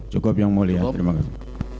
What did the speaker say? cukup yang mulia terima kasih